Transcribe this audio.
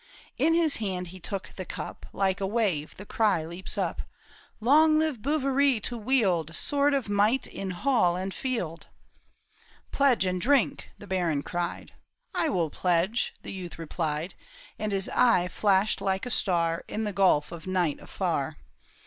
In his hand he took the cup — Like a wave the cry leaps up —" Long live Bouverie to wield Sword of might in hall and field !"" Pledge and drink !" the baron cried. " I will pledge," the youth replied ; And his eye flashed like a star In the gulf of night afar.